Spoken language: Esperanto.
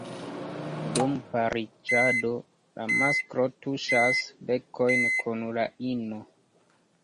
Dum pariĝado, la masklo tuŝas bekojn kun la ino.